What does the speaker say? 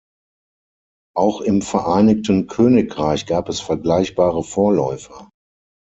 Auch im Vereinigten Königreich gab es vergleichbare Vorläufer.